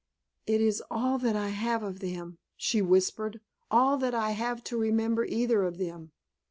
"It is all I have of them," she whispered, "all that I have to remember either of them.